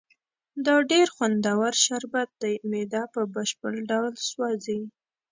دا ډېر خوندور شربت دی، معده په بشپړ ډول سوځي.